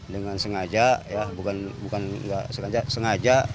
dengan sengaja bukan sengaja